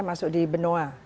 masuk di benoa